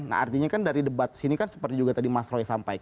nah artinya kan dari debat sini kan seperti juga tadi mas roy sampaikan